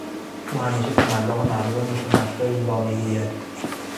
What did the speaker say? او همیشه تملق مردم متنفذ را میگوید.